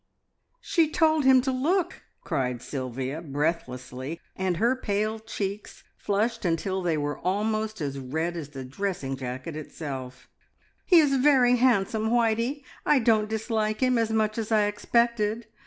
"She told him to look!" cried Sylvia breathlessly, and her pale cheeks flushed until they were almost as red as the dressing jacket itself. "He is very handsome, Whitey. I don't dislike him as much as I expected.